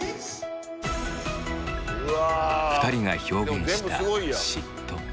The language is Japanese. ２人が表現した「嫉妬」。